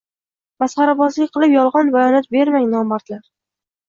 Masxarabozlik qilib yolgʻon bayonot bermang, nomardlar...!?